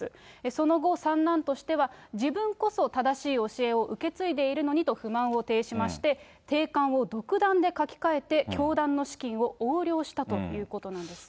その後、三男としては自分こそ、正しい教えを受け継いでいるのにと不満を呈しまして、定款を独断で書き換えて、教団の資金を横領したということなんです。